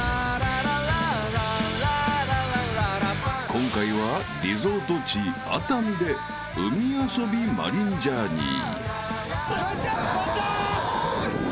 ［今回はリゾート地熱海で海遊びマリンジャーニー］